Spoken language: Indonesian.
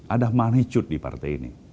ada magnitude di partai ini